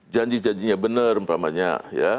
janji janjinya benar umpamanya ya